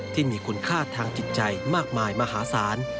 ที่มีคุณค่าทางจิตใจมากมายมหาศาล